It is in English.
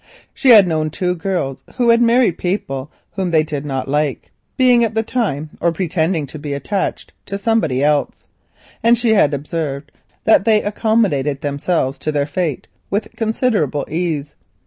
She had known two girls who had married people whom they did not like, being at the time, or pretending to be, attached to somebody else, and she had observed that they accommodated themselves to their fate with considerable ease.